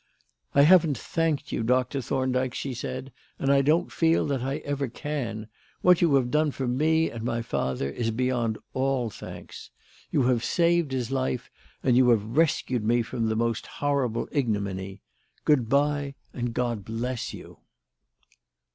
"I haven't thanked you, Doctor Thorndyke," she said, "and I don't feel that I ever can. What you have done for me and my father is beyond all thanks. You have saved his life and you have rescued me from the most horrible ignominy. Good bye! and God bless you!"